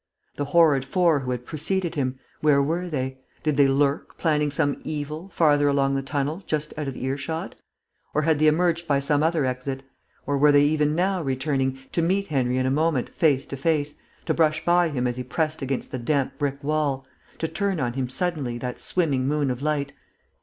The horrid four who had preceded him where were they? Did they lurk, planning some evil, farther along the tunnel, just out of earshot? Or had they emerged by some other exit? Or were they even now returning, to meet Henry in a moment face to face, to brush by him as he pressed against the damp brick wall, to turn on him suddenly that swimming moon of light